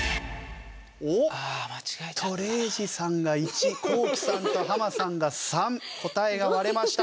おっとレイジさんが１コウキさんとハマさんが３。答えが割れました。